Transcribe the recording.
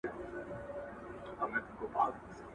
دې دورې شاوخوا زر کاله دوام وکړ.